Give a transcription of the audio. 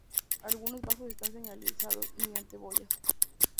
Algunos bajos están señalizados mediante boyas.